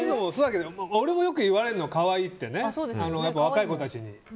俺もよく言われるの可愛いって若い子たちに。